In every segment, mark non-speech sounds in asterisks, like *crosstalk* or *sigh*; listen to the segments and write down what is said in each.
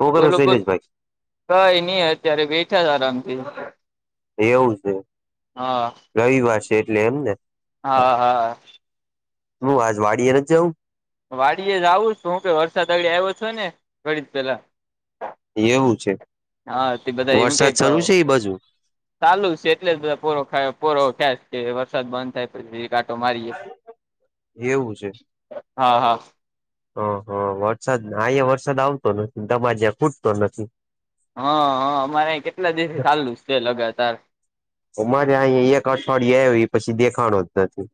હું કરું બોલો શૈલેષભાઈ કઈ નઈ અત્યારે બેઠા આરામથી. એવું છે હા રવિવાર છે એટલે એમને. હા હા. હું આજ વાડીયે ન જ જઉં. વાડીએ જ આવું હું કે વરસાદ આગળી આવ્યો છો ને ઘડી પેલા. એવું છે હા તે બધા એમ વરસાદ કઈ શરૂ છે એ બાજુ? ચાલુ છે એટલે બધા પૂરો પૂરો ખ્યા કે વરસાદ બંધ થાય. ચેક આટો મારીએ એવું હા હા. ઓહ વરસાદ અહીંયા વરસાદ આવતો નથી તમા જ્યાં ખૂટતો નથી. હા હા અમારે કેટલા દિવસે ચાલુ છે લગાતાર. મારે અહી એક અઠવાડિ આવ પછી દેખાણ જ નથી.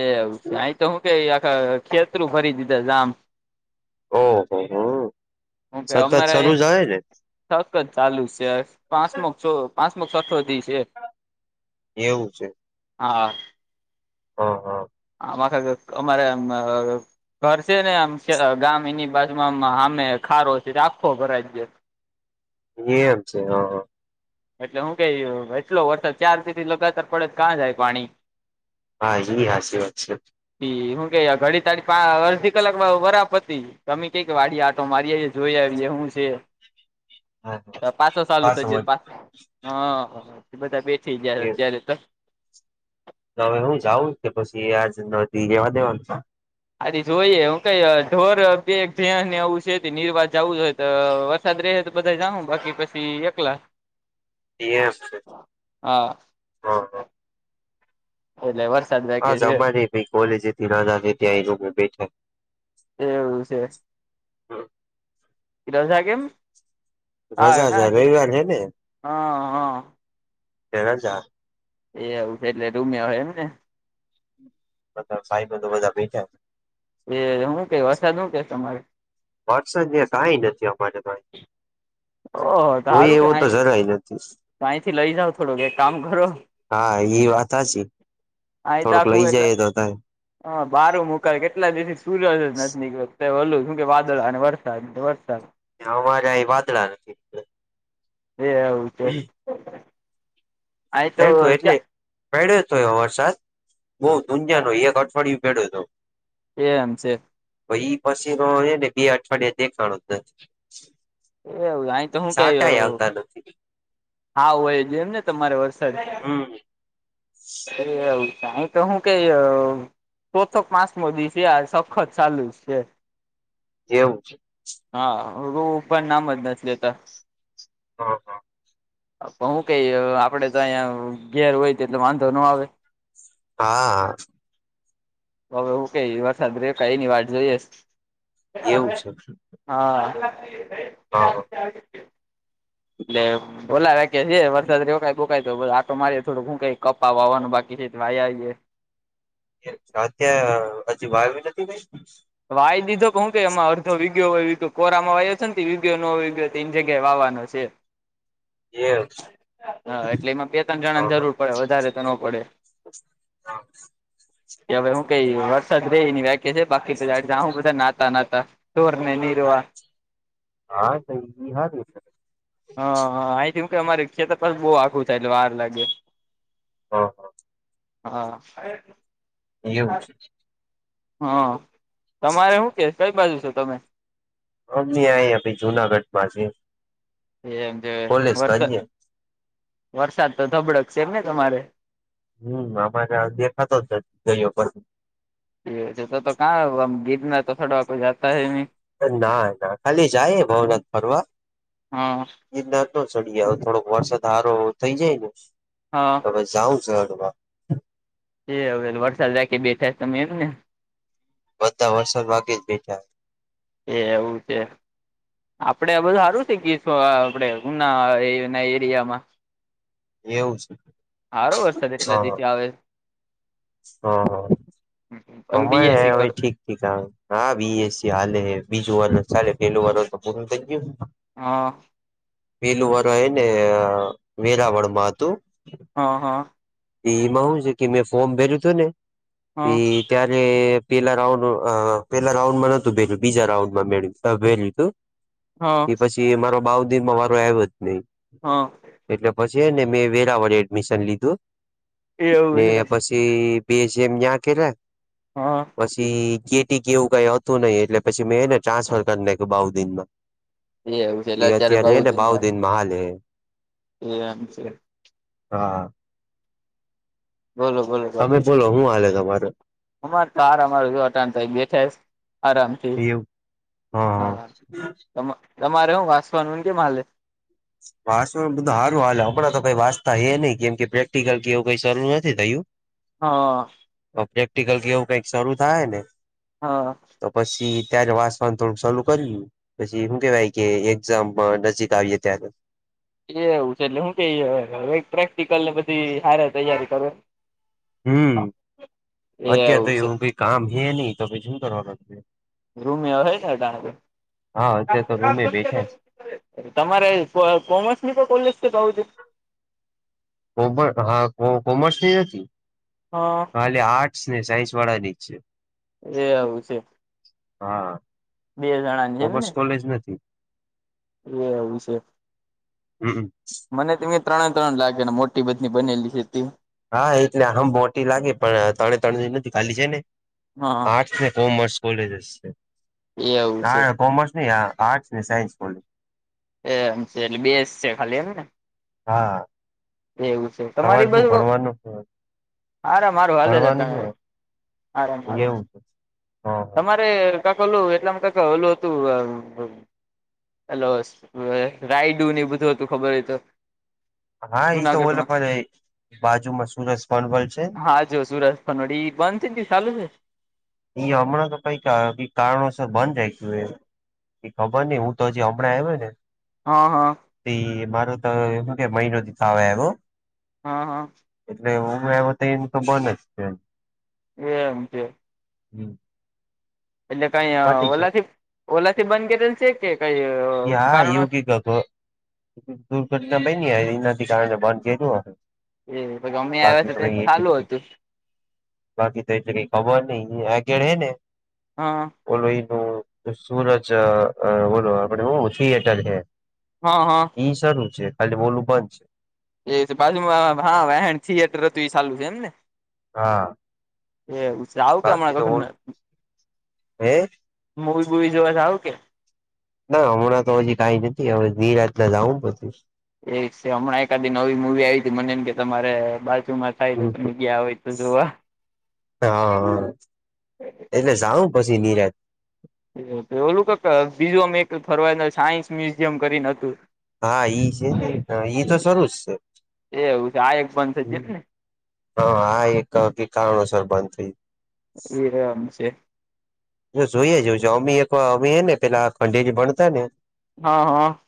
એ સય તો હું ક આખા ખેતરું ફરી દીધા જમ. ઓહોહ સતત શરૂ થઈ જાય ને. થક જ ચાલુ છે પાંચમ છ પાંચમ છઠોથી છે. એવું છે. હા. હ હા. હ મારે ઘરસે ને આમ ગામ એની પાસમાં અમે ખારો છે રાખો ઘરા જ. એ આમ છે હા હા. એટલે હું કઈ એટલો વરસાદ થી લગાતર પડે કાં જાય પાણી. હા એ આશીર્વાદ છે. પછી હું કે ઘડી તાડી પા અડધી કલાકમાં વરા પતી. તમી કઈક વાડી આટો મારી જોઈ આવી હું છે. હા હા પાસો ચાલુ છે પાછો જ વળ. પા હા તે બધા બેઠી જયા અત્યારે તો. તો હવે હું જાઉં કે પછી આજ ના દી રેવા દેવ. આથી જોઈએે હું કઈ ઢોર બે જ્યા ને આવવું છે નિર્વાહ જવું તો વરસાદ રહે તો બધા જામુ બાકી પછી એકલા હ છે હા હ હ એટલે વરસાદ બ હાજ અમારે ભ કોલેજથી ના ત્યાંય બેઠા એવું છે. કીધ થાગેમ હા રજા ઘ છે કે રવિવાર ને હ હ તેર હજાર એ આવું છે એટલે રૂમ્યા હોય એમ ને બ ફાઈ બધ બધા બેઠ એ હું કય વસાદું કે તમારે વાટસન કઈ નથી અમારે તો ઓહ તો જોઈએ સારું કે એવો તો જરાય નથી તોઈથી લઈ જાાવ થોડોક કામ કરો હા એ વાત હ છે. થોડોક લઈ જઈએ તો ત હા બારું મુકાય કેટલા દિવસે સૂર્ય જ નથી, નીકળ ઓલું શું કે વાદળ અને વરસાદ વરસાદ અમારે વાદળ નથી. એ હવું હ અહી તો એટલે ક્યાં પેડ્યો હતો એયો વરસાદ બહ દુનિયા નો એક અઠવાડિયું પેડ્યો હતો. એ એમ છે. તો પછીનો ને બે અઠવાડિયા દેખાણો જ નથી. એવું આ સાચા આવતા નથી. હા હોય એમ ને તમારે વરસાદ હમ અરે સાં તો હું કે ચોથક માસ મો દિવસે આ સખત ચાલુ જ છે. એવું છે. હા રો પણ નામ જ નસ તો હા હા પણ હું કઈ આપડે તો અહીંયા ઘેર હોય તો એટલે વાંધો ન આવે હા હવે હું ક વરસાદ બ્રેક એની વાત જોઈએ. એવું છે હા હા લલે બોલાવે કે છે વરસાદ રોકાય બોકાય તો આટો મારીએ થોડો ઘૂંકાય કપા વાવાનું બાકી છે ભઈ આવી ત્યા હજી વાવવી વાઈ દીધો કે હું કે એમાં અડધો વિીગયો કોરામાં વાયો છે વિગયો નોગયો તે જગ્યાએ વાવાનો છે. કઈ એ હા એટલે એમાં બે ત્રણ જણા ને જરૂર પડે વધારે તો ન પડે હ કે હવે હું કઈ? વરસાદ ર એની વ્યાક્યા છે, બાકી હું બધા નાતા નાતા તોરને રવા હા નઈ હા દિવસ હા હા અહીંથીમ કે અમારે ખેતર પા બહુ આખું થાય એટલે વાર લાગે. હ હા. હા. એવું છે. હા તમારે શું કે કઈ બાજુ છેો તમે અમને આી જુનાગઢ માં છે. એમ જે કોલેસ કે. વરસાદ વરસાદ તો ધબડક છે એમ ને તમારે. હમ અમારે દેખાતો જ નથી ગ પર. એ છે તો તો કં ગીતના તો થોડ કોઈ જતા હ ન ના ના ખાલી જાય ભાવનાથ ફરવા. હા! દ ના ન ચડી જ થોડોક વરસાદ સારો થઈ જાય ને. હા! ત જાઉં જ. એડ વરસાદ રાખ બેઠાય તમે એમ ને. બધા વર્ષો બાકી જ બેઠા. એ એવું છે. આપડે બધું સારું છે. કીશું આપણે ઉનાના એરિયામાં. એવું છે સારો વરસાદ એટલા હા. દિવસે આવે હ તમે હ બીએસી હરે કરો હોય ઠીક. હા બીસ હાલે. બીજું વાર ચાલે. પેલું વાર તો પૂરું થઈ ગયું. હા! વેલું વરય ને વેરાવળ માં હતું. હા હા! એમાં હુ છે કે, મેં ફોર્મ ભેર્યું હતું ને એ હા ત્યારે. એટલે પેલા રાઉન્ડ પેલા રાઉન્ડમાં નતું, વેલું બીજા રાઉન્ડમાં મેળ્યું વહેલું તું. હા એ પછી મારો બાઉદિનમાં વારો આવ્યો જ નહી. હા! એટલે પછી એને, મેં વેરાવળે એડમિશન લીધું. ને એવું છે પછી બે જેમ કેયા. હા! પછી ગેટી કે એવું કઈ હતું નહી. એટલે પછી મેંને ટ્રાન્સફર કરી નાખ્યું બઉ દિનમાં. એ એવું છે એટલે એવત અત્યારે બઉ એ્યારેને ધૂનમાં બાઉુદીિન માાલ. એમ છે. હા! બોલો બોલો તમે કથી. બોલો હું આલે તમારે? અમાર કાર અમાર જોટાણ ત બેઠા આરામથી. એવું હા હા! તમા તમારે હ વાસવાનુંન કે માલે? વાસવા બધું સારું હાલ હમણાં તો વાંતા હ નહીં. કેમ કે પ્રેક્ટિકલ કે એવું કઈ શરૂું નથી થયું. હા! પ્રેક્ટિકલ કે એવું કઈક શરૂ થાય ને? હા! તો પછી ત્યારે વાસવાણ થોડુંક સાલુ કર્યું. પછી શું કેવાય કે એક્ઝામમાં નજીક આવીએ ત્યારે એ એવું છે એટલે હું કે પ્રેક્ટિકલ ને બધી સારે તૈયારી કરું. હમ અત્યારે તો એવું કઈ કામ હે નહી તો શું કર? રૂમ એવા હોય ત. હા અત્યારે તો રૂમે બેઠા છે તમારે કોમર્સ ની પણ કોલેજ છે કું છે? કોમ હા કો કોમર્સ ની નથી. હા! ાલી આર્ટસ ને, સાયન્સ વાળા ની જ છે. એ આવું છે. હા! બે જણા. કોમર્સ કોલેજ નથી. એ એવું છે. હમ! મને તં ત્રણે ત્રણ લાગે ને, મોટી બધની બનેલી છે ત. હા એટલે આમ મોટી લાગે પણ તણે તણ નથી ખાલી. છે ને હા આર્ટસ ને કોમર્સ કોલેજસ છે એવું છે હા કોમર્સ આર્ટસ સાયન્સ કોલેજ એમ છે એટલે બેસ છે ખાલી હને. હા. છે સવારે તમારી શું બાજુ ભણવાનું છ હારા મારું હાલે ભણવાનું છે? તમારે હારા મારું એવું છે હ. તમારે કક ઓેલું એટલામાં કક ઓલું હતું. હલો રાયડું નની બધું હતું ખબર હોય તો હા એ તો બોલે જુનાગઢમાં પણ બાજુમાં સુરસ પનવલ છે હા જો સુરત. નોડી બંધ તન શાલું છે? એ હમણાં તો કઈક કારણોસ બંધ જાય ગયું એ. એ ખબર નઈ હું તો જે હમણાં યો ને હં હા. મારો તોું કે મહિનો થી થ એ. હા હા. એટલે હું આવ તો એને તો બને જ. એમ કે. હમ. એટલે કઈ છે ઓલાથી ઓલા થી બંધ કરેલ છે કે કઈ કારણો તો. દુર્ઘટના બની હ એનાથી કારણે બંધ કરલું હ. એ પ અમે આવ્યા છે તો ચાલુ બધી હતું. બાકી તો એટલે કઈ ખબર નઈ આગેળ હે ને. હા. ઓોલો એ ન સૂરજ બોલો આપડ થિયેટર છે. હા હા. ઈ શું છે ખાલી બોલું બંધ છે. એ બાજુમાં હા થિયેટર હતું એ ચાલું છે એમ ને. હા. એછ આવ બાકી કેમણા તો ઓલું કખ. હે મવી બુવી જોવા જાવું કે? ના હમણાં તો હજી કઈ નથી હવે ધીરાતલા જઉું બધું. એ હમણાં એકાદ નવી મુવી આવી ત. મનેને કે તમારે બાજુમાં થાય તો તમે ગયા હોય તો જોવા હા એટલે જાઉં પછી નિરાત તે ઓલું કંઈક બીજું અમે એક ફરવાના સાયન્સ મ્યુઝિયમ કરીન હતું. હા ઈ છે ને ઈ તો શુ જ છે એવું છે આ એક બંધ હમ થઈ હા આા એક કારણોસર બંધ થય એમ છે જો જોઈએ જ અમી એક વા અમી ને પેલા ખંડીજ ભણતા ને હા હં.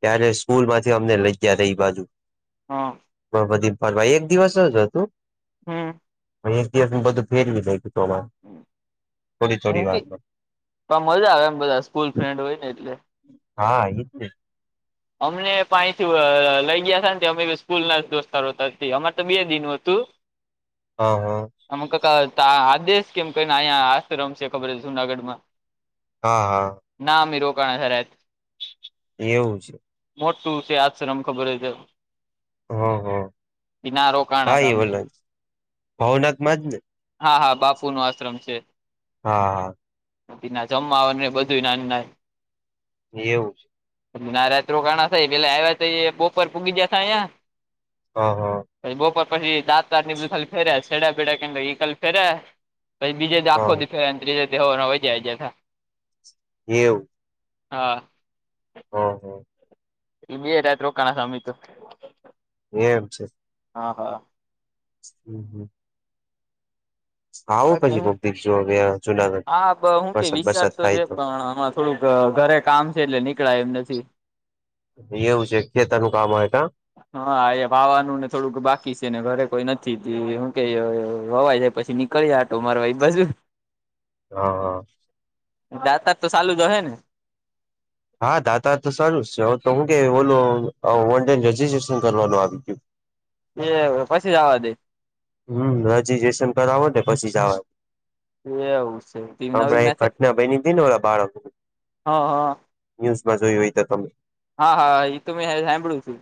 ત્યારે સ્કૂલ માંથી અમને લઈ જયા ત એ બાજુ. હા. બ બધી ફરવાઈ એક દિવસ જ હતું. હમ. એક દિવસ બધું ફેરવી જાયી તોમાં હું કે પણ મજા આવે એમ બધા સ્કૂલ ફ્રેન્ડ હોય ને એટલે હા એ જ અમને પાથી લઈ ગયા હતા ને અમે સ્કૂલ ના દોસ્તારો અમાર તો બે દિન હતું હ હા. આમે આદેશ કેમ કને અહીંયા આ રમશે ખબર જુનાગઢ માં હા હા. નામ રોકાણ જ એવું છે. મોટું છે યાદ સર અમ ખબર હો છે. હ હ ના રોકાણા હા હતા અમે એવલો છે ભાવનાથ માં જ ને? હા હા બાપુ નો આશ્રમ છે. હા. *inaudible* ના જમવા ને બધું ના ના એવું છે. ના રાત રોકાણા પેલે આવ્યા તો પ્રોપર પૂગી ગયાં. હ હા. પછી બપોર પછી દાતની બધે ખાલી ફેરે છેેડા પેડા કે એકલી ફેરે પછી બીજે દાખો હા દી ત્રીજે દવા *inaudible* હોય જાય જ એવું. હા. હા હા. બે રાત રોકાણા અમે તો એમ છે. હા હા. હમ હમ. બહુ બાકી બધી હું પબ્લિક હતી ત્યાં હા હું કઈ વિચાર તો છે પણ હમણાં થોડુંક ઘરે કામ છે એટલે નીકળાય એમ નથી. એવું છે ખેતર નું કામ આવે કા? હા એ વાવવાનુનું ને થોડુંક બાકી છે ને ઘરે કોઈ નથી હું કે રવાઈ જાય પછી કઈ આંટો મારવા ભાઈ બાજુ હા હા. દાતાર તો ચાલુ જ હ ને? હા દાતા તો સારું છે હવે તો હું કે ઓલું ઓનલાઈન રજીસ્ટ્રેશન કરવાનું આવી ગયું. એ પછી જવા દે. હમ રજીિસ્ટ્રેશન કરાવો પછી જવા. એવું છે તી નવી હમણાં એક મેથે ઘટના બની હતીને ઓ બાળકની હા હા તો તમે હા હા એ તો મે સાંભળું છું.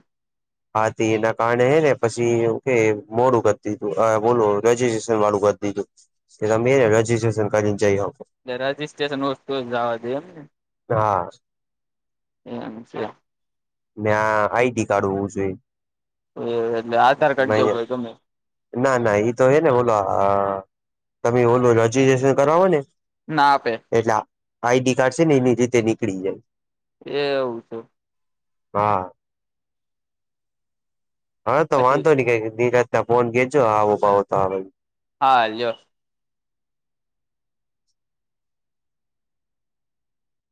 હાથી એના કારણે હ ને પછી કે મોડું કર હતું ીધું બોલો રજીસ્ટ્રેશન વાળું કરી દીધું કે તમે એને રજીસ્ટ્રેશન કરીને જઈ આપકોો એટલે રજીસ્ટ્રેશન વસ્તુ જવા દે એ ને હા. એ છે. ત્યાં આઈડી કાર્ડ હોવું જોઈએ. એ એલે આધાર કાર્ડ કે હય તમમે *inaudible* ના ના તો હે ને બોલો તમે બોલો રજીસ્ટ્રેશન કરો ને ના આપે. એટલે આઈડી કાર્ડ છે ને એની રીતે નીકળી જાય. એ એવું છે. હા. હા તો પછી વાંધો નઈ કઈ નિરાંતના ફોન કરજો આવો ભાવો તો આવે હા લ્યો.